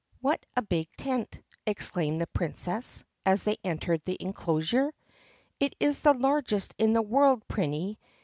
W HAT a big tent!" exclaimed the Princess as they entered the enclosure. "It is the largest in the world, Prinny.